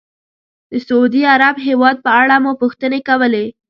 د سعودي عرب هېواد په اړه مو پوښتنې کولې.